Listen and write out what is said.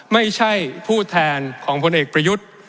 ไม่ใช่ผู้แทนของพลเอกประยุทธ์